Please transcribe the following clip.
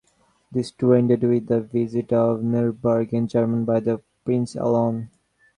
This tour ended with the visit of Nuremberg in Germany by the prince alone.